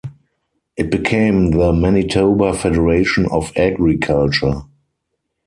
It became the Manitoba Federation of Agriculture.